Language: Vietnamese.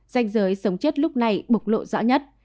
danh giới sống chất lúc này bộc lộ rõ nhất